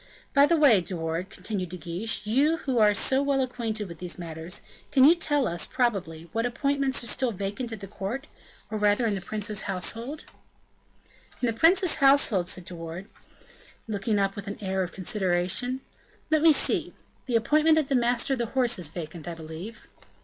"By the by, De Wardes," continued De Guiche, "you who are so well acquainted with these matters, can you tell us, probably, what appointments are still vacant at the court; or rather in the prince's household?" "In the prince's household," said De Wardes looking up with an air of consideration, "let me see the appointment of the master of the horse is vacant, I believe."